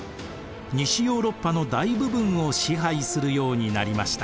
西ヨーロッパの大部分を支配するようになりました。